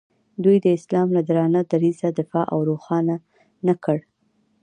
دوی د اسلام له درانه دریځه دفاع او روښانه نه کړ.